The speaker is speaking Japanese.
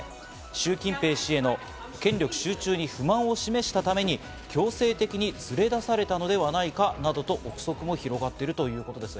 シュウ・キンペイ氏への権力集中に不満を示したために強制的に連れ出されたのではないかなどと臆測も広がっているということです。